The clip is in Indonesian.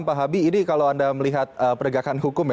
pak habib ini kalau anda melihat pernegakan hukum ya